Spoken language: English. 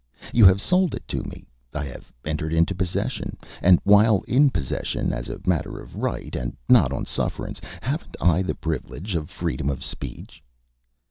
You have sold it to me. I have entered into possession, and while in possession, as a matter of right and not on sufferance, haven't I the privilege of freedom of speech?"